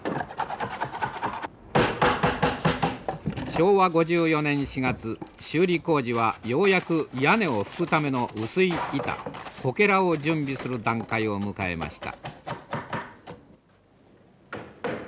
昭和５４年４月修理工事はようやく屋根を葺くための薄い板こけらを準備する段階を迎えました。